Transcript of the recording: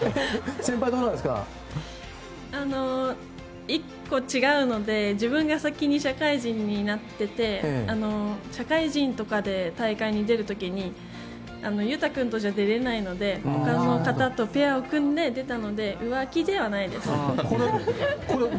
年が１個、違うので自分が先に社会人になってて社会人とかで大会に出る時に勇大君とじゃ出れないので他の方とペアを組んで出たので浮気ではないです。